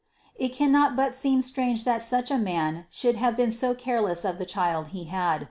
It cannot but seem strange that such a man should have been so careless of the child he had.